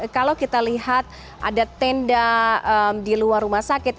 kalau kita lihat ada tenda di luar rumah sakit